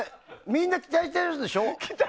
みんな期待してるでしょ？